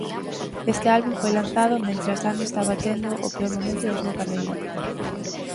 Este álbum foi lanzado mentres Ami estaba tendo o peor momento da súa carreira.